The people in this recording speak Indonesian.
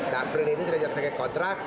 dan april ini sudah ketika kontrak